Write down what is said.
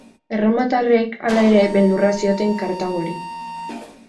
Erromatarrek, hala ere, beldurra zioten Kartagori.